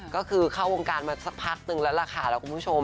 ก็คือเข้าวงการมาสักพักนึงแล้วล่ะค่ะแล้วคุณผู้ชม